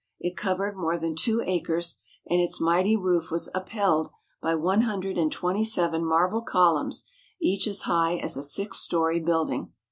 It covered more than two acres, and its mighty roof was upheld by one hundred and twenty seven marble columns each as high as a six story building.